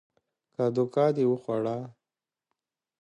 که دوکه دې وخوړه